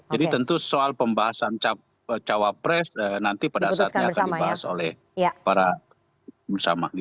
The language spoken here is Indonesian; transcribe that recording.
jadi tentu soal pembahasan cawapres nanti pada saatnya akan dibahas oleh para bersama